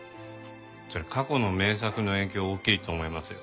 それ過去の名作の影響大きいと思いますよ。